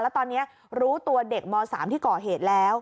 แล้วตอนนี้รู้ตัวเด็กม๓ที่ก่อเหตุแล้ว